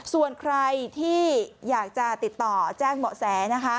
ส่วนใครที่อยากจะติดต่อแจ้งเบาะแสนะคะ